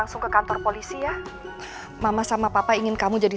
gemes banget sih kesayangannya galang